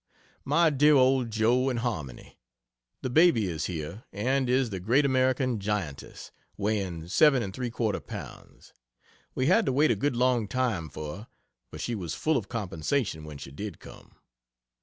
MY DEAR OLD JOE AND HARMONY, The baby is here and is the great American Giantess weighing 7 3/4 pounds. We had to wait a good long time for her, but she was full compensation when she did come.